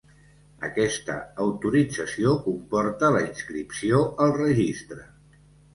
Aquesta autorització comporta la inscripció al Registre.